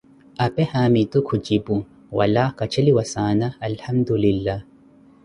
apee haamitu khujipu: wala kacheliwa saana alihamtulillah.